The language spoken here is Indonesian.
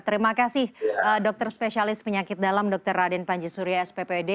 terima kasih dokter spesialis penyakit dalam dr raden panjisurya sppd